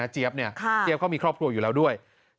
เจี๊ยบก็มีครอบครัวอยู่แล้วด้วยนะ